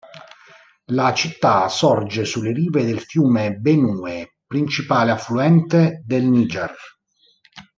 La città sorge sulle rive del fiume Benue, principale affluente del Niger.